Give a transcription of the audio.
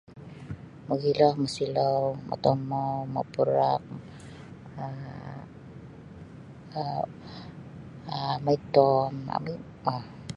Mogilo mosilou motomou mapurak um kuo um maitom um.